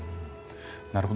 なるほど。